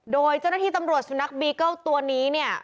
โดยเจ้าหน้าที่ตำรวจสุนัขบีเกิ้ลตัวนี้เนี่ย